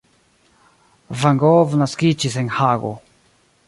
Van Gogh naskiĝis en Hago.